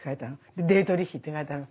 でディートリヒって書いたの。